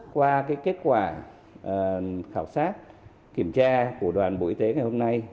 qua kết quả khảo sát kiểm tra của đoàn bộ y tế ngày hôm nay